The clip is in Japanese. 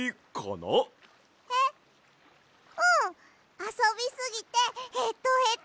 あそびすぎてヘトヘト。